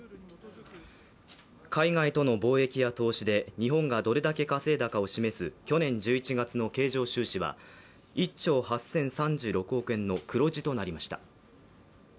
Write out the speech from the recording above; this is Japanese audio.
海外との貿易や投資で日本がどれだけ稼いだかを示す去年１１月の経常収支は１兆８０３６億円の黒字となりました。